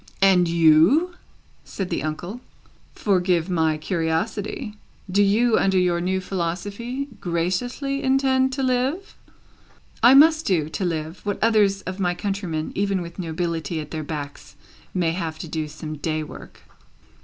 "And you?" said the uncle. "Forgive my curiosity; do you, under your new philosophy, graciously intend to live?" "I must do, to live, what others of my countrymen, even with nobility at their backs, may have to do some day work."